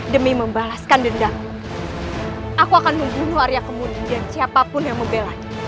demi membalaskan dendamku aku akan membunuh arya kemudi dan siapapun yang membelanya